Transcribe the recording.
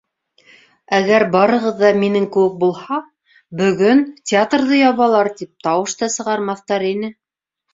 Әгәр барығыҙ ҙа минең кеүек булһа, бөгөн, театрҙы ябалар, тип тауыш та сығармаҫтар ине.